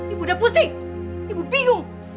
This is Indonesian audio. ibu udah pusing ibu bingung